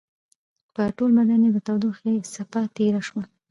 په ټول بدن يې د تودوخې څپه تېره شوه.